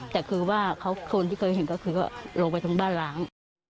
แต่คือว่าคนที่เคยเห็นก็คือก็ลงไปตรงบ้านล้าง